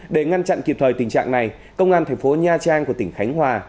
để ngăn chặn kịp thời tình trạng này công an tp nha trang của tỉnh khánh hòa